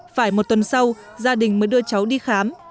phải một tuần sau gia đình mới đưa cháu đi khám